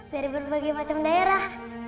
dari berbagai macam daerah